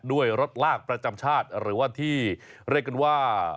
ด้วยรถลากประจำชาติหรือว่าที่เรียกกันว่า